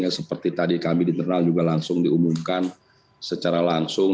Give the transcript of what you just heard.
seperti tadi kami di internal juga langsung diumumkan secara langsung